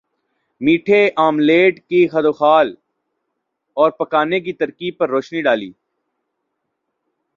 میٹھے آملیٹ کے خدوخال اور پکانے کی ترکیب پر روشنی ڈالی